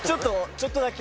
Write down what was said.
ちょっとだけ。